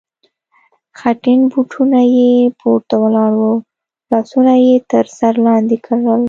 خټین بوټونه یې پورته ولاړ و، لاسونه یې تر سر لاندې کړل.